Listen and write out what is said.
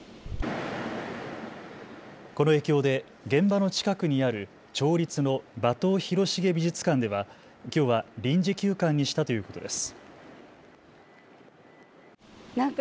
この影響で現場の近くにある町立の馬頭広重美術館ではきょうは臨時休館にしたということです。